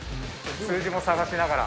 数字も探しながら。